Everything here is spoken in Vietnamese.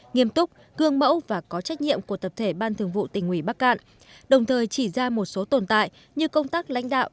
nghiêm túc gương mẫu và có trách nhiệm của tập thể ban thường vụ tỉnh ủy bắc cạn đồng thời chỉ ra một số tồn tại như công tác lãnh đạo